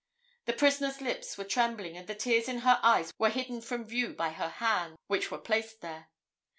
The prisoner's lips were trembling, and the tears in her eyes were hidden from view by her hands, which were placed there.